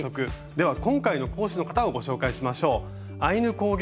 では今回の講師の方をご紹介しましょう。